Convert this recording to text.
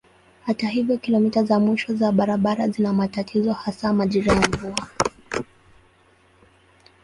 Hata hivyo kilomita za mwisho za barabara zina matatizo hasa majira ya mvua.